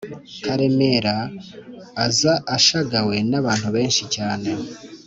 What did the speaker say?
karemera, aza ashagawe n' abantu benshi cyane